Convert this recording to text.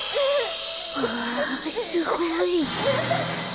わあすごい。